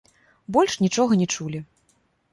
Больш нічога не чулі.